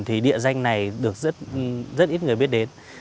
thì địa danh này được rất ít người biết đến